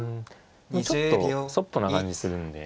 うんちょっとそっぽな感じするんで。